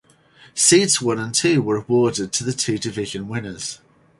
Seeds one and two were awarded to the two division winners.